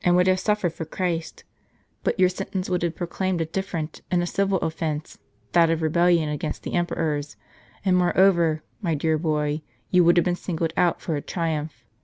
415 w would have sufiered for Christ; but your sentence would have proclaimed a different, and a civil, offence ; that of rebellion against the emperors. And moreover, my dear boy, you would have been singled out for a triumph.